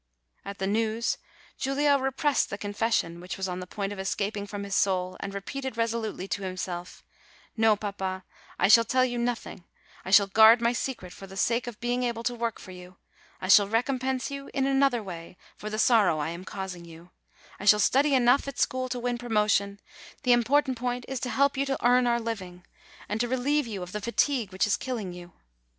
76 DECEMBER At the news, Giulio repressed the confession which was on the point of escaping from his soul, and re peated resolutely to himself: "No, papa, I shall tell you nothing; I shall guard my secret for the sake of being able to work for you ; I shall recompense you in another way for the sorrow I am causing you ; I shall study enough at school to win promotion; the impor tant point is to help you to earn our living, and to re lieve you of the fatigue which is killing you."